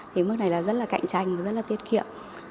thì mức này là rất là cạnh tranh và rất là tiết kiệm